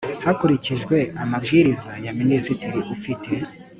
hakurikijwe amabwiriza ya Minisitiri ufite